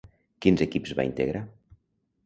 Quins equips va integrar?